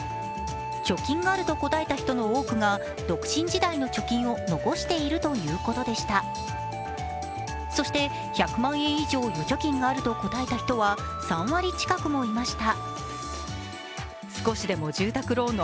貯金があると答えた人の多くが独身時代の貯金を残しているということでしたそして、１００万円以上預貯金があると答えた人は３割近くもいました。